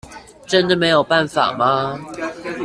真的沒有辦法嗎？